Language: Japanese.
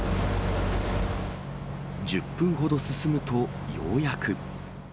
１０分ほど進むと、ようやく。